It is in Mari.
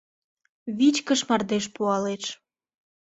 Вичкыж мардеж пуалеш.